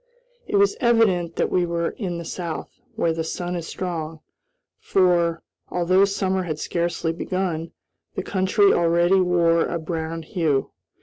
It was evident that we were in the South, where the sun is strong, for, although summer had scarcely begun, the country already wore a brown hue.